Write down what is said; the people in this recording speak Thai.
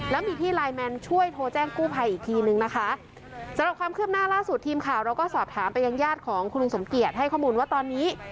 แล้วมีพี่ไลน์แมนช่วยโทรแจ้งกู้ภัยอีกทีนึงนะคะสำหรับความคืบหน้าล่าสุดทีมข่าวเราก็สอบถามไปยังญาติของคุณลุงสมเกียจให้ข้อมูลว่าตอนนี้